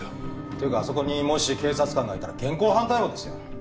っていうかあそこにもし警察官がいたら現行犯逮捕ですよ。